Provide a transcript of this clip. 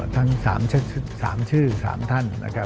ทั้ง๓ชื่อ๓ท่าน